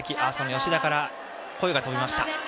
吉田から声が飛びました。